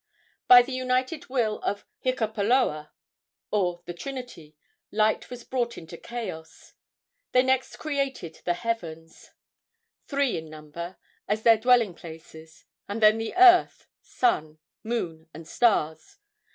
By the united will of Hikapoloa, or the trinity, light was brought into chaos. They next created the heavens, three in number, as their dwelling places, and then the earth, sun, moon and stars.